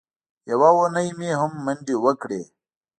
یوه اونۍ مې هم منډې وکړې.